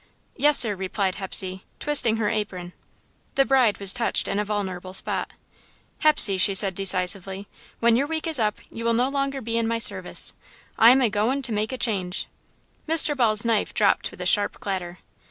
"Yes, sir," replied Hepsey, twisting her apron. The bride was touched in a vulnerable spot. "Hepsey," she said, decisively, "when your week is up, you will no longer be in my service. I am a goin'to make a change." Mr. Ball's knife dropped with a sharp clatter.